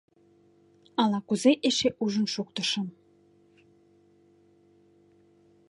Ала-кузе эше ужын шуктышым...